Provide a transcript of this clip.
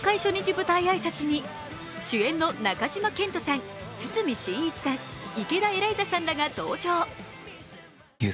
舞台挨拶に主演の中島健人さん、堤真一さん池田エライザさんらが登場。